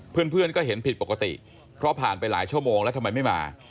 เพื่อนก็เห็นผิดปกติเพราะผ่านไปหลายชั่วโมงแล้วทำไมไม่มา